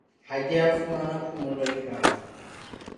Ha ke a fumana phomolo e kaalo.